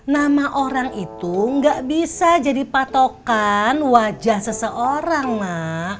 nama orang itu gak bisa jadi patokan wajah seseorang mak